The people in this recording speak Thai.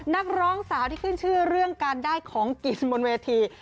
นักร้องสาวที่ขึ้นชื่อเรื่องการได้ของกินบนเวที